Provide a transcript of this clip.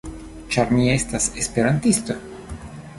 Ĉar mi estas esperantisto.